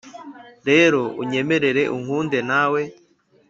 rero unyemerere unkunde nawe